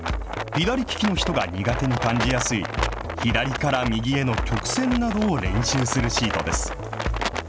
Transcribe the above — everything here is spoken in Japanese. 左利きの人が苦手に感じやすい左から右への曲線などを練習するシートです。